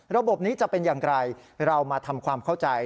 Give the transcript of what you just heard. ระบบนี้จะเป็นอย่างไรเรามาทำความเข้าใจ